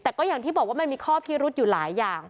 แต่ก็อย่างที่บอกว่ามันมีข้อพิรุธอยู่หลายอย่าง